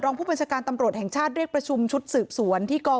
ผู้บัญชาการตำรวจแห่งชาติเรียกประชุมชุดสืบสวนที่กอง